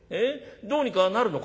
どうにかなるのかい？」。